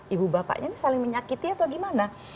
ibu bapaknya ini saling menyakiti atau gimana